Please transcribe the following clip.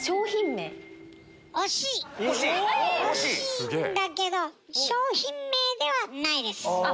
惜しいんだけど商品名ではないです。